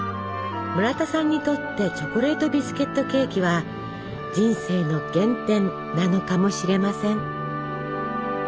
村田さんにとってチョコレートビスケットケーキは人生の原点なのかもしれません。